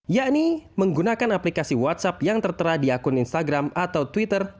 yakni menggunakan aplikasi whatsapp yang tertera di akun instagram atau twitter